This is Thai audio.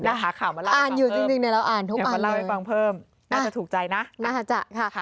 น่าหาข่าวมาเล่าให้ฟังเพิ่มเดี๋ยวมาเล่าให้ฟังเพิ่มน่าจะถูกใจนะค่ะ